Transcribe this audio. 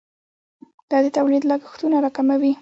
دا د تولید لګښتونه راکموي.